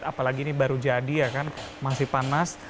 apalagi ini baru jadi ya kan masih panas